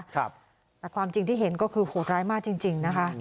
แต่ความจริงที่เห็นก็คือโหดร้ายมากจริงนะคะ